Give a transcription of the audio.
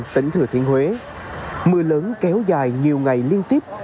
tỉnh thừa thiên huế mưa lớn kéo dài nhiều ngày liên tiếp